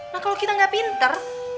nah kalau kita nggak pinter